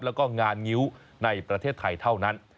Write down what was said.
แล้วก็งานงิ้วในประเทศไทยเท่านั้น